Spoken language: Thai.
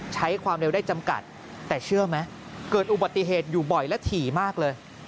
ใช้ความเร็วได้จำกัดแต่เชื่อไหมเกิดอุบัติเหตุอยู่บ่อยและถี่มากเลย